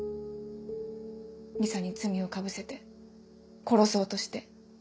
リサに罪をかぶせて殺そうとして。